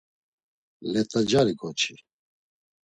Let̆acari ǩoçi.